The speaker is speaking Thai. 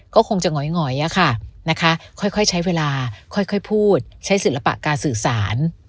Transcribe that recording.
ก็คงจะหงอยอะค่ะนะคะค่อยใช้เวลาค่อยพูดใช้ศิลปะการสื่อสาร